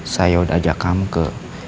saya udah ajak kamu ke